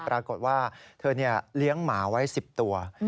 ปรากฏว่าเธอเลี้ยงหมาไว้๑๐ตัว